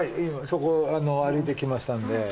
そこ歩いてきましたんで。